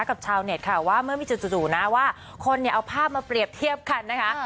ชาวเน็ตค่ะว่าเมื่อมีจุดจู่นะว่าคนเนี่ยเอาภาพมาเปรียบเทียบกันนะคะ